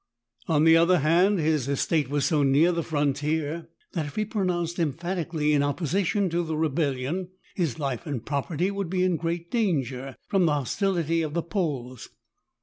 On the other hand, his estate was so near the frontier that if he pro nounced emphatically in opposition to the rebel lion, his life and property would be in great dan ger from the hostility of the Poles.